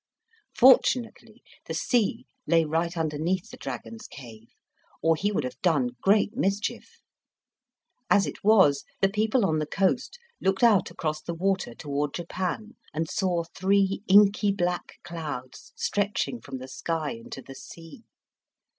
Fortunately, the sea lay right underneath the dragon's cave, or he would have done some nice mischief. As it was, the people on the coast looked out across the water toward Japan, and saw three inky black clouds stretching from the sky into the sea.